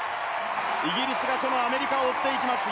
イギリスがアメリカを追っていきます。